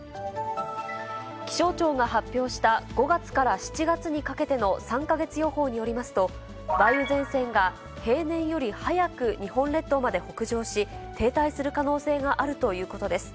気象庁が発表した、５月から７月にかけての３か月予報によりますと、梅雨前線が平年より早く日本列島まで北上し、停滞する可能性があるということです。